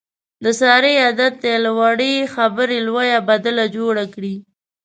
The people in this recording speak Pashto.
د سارې عادت دی، له وړې خبرې لویه بدله جوړه کړي.